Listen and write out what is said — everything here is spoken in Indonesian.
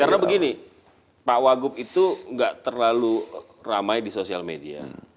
karena begini pak wagub itu tidak terlalu ramai di sosial media